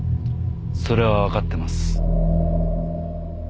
それはわかってます。